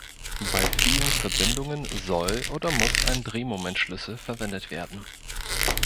Bei vielen Verbindungen soll oder muss ein Drehmomentschlüssel verwendet werden.